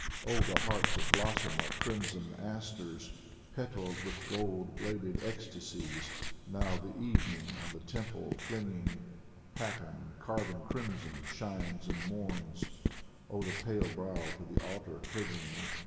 Oh, the hearts that bloom like crimson asters, Petalled with gold bladed ecstasies. Now the evening on the temple flinging Patterned, carven crimson, shines and mourns. Oh, the pale brow to the altar clinging.